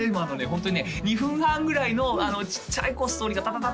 ホントにね２分半ぐらいのちっちゃいストーリーがダダダ